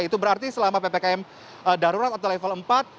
itu berarti selama ppkm darurat atau level empat